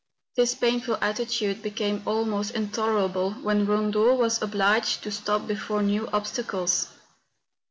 This painful attitude became almost intolerable when Kondo was obliged to stop before some new obstacles.